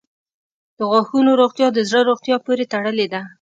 • د غاښونو روغتیا د زړه روغتیا پورې تړلې ده.